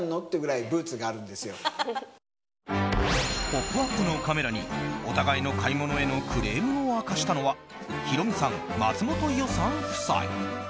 「ポップＵＰ！」のカメラにお互いの買い物へのクレームを明かしたのはヒロミさん、松本伊代さん夫妻。